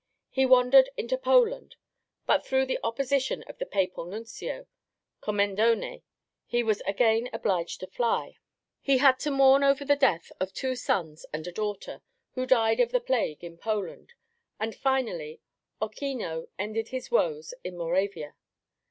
He wandered into Poland, but through the opposition of the Papal Nuncio, Commendone, he was again obliged to fly. He had to mourn over the death of two sons and a daughter, who died of the plague in Poland, and finally Ochino ended his woes in Moravia.